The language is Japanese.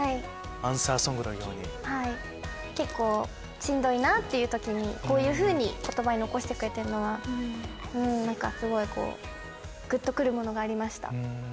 はい結構しんどいなっていう時にこういうふうに言葉に残してくれてるのはうん何かすごいこうグッと来るものがありました。